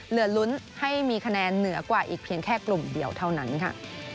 เหลือลุ้นให้มีคะแนนเหนือกว่าอีกเพียงแค่กลุ่มเดียวเท่านั้นค่ะ